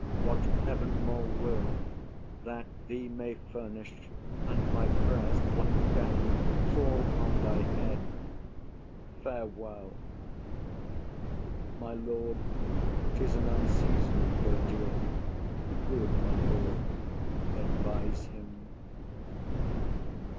What heaven more will, That thee may furnish and my prayers pluck down, Fall on thy head! Farewell. My lord, 'Tis an unseason'd courtier; good my lord, Advise him.